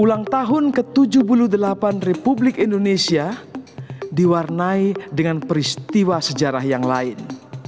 ulang tahun ke tujuh puluh delapan republik indonesia diwarnai dengan peristiwa sejarah yang lain